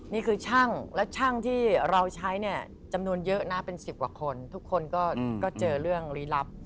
นี่คือช่างและช่างที่เราใช้เนี่ยจำนวนเยอะนะเป็น๑๐กว่าคนทุกคนก็เจอเรื่องลี้ลับ